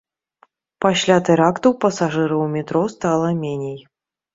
Пасля тэракту пасажыраў у метро стала меней.